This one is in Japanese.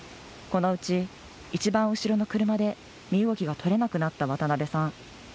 このうち、一番後ろの車で身動きが取れなくなった渡邊さん。